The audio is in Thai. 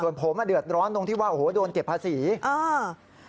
ส่วนผมอ่ะเดือดร้อนตรงที่ว่าโอ้โหโดนเก็บภาษีอ่า